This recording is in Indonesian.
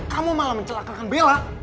kamu malah mencelakakan bella